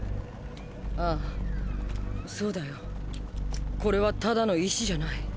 あぁそうだよ。これはただの石じゃない。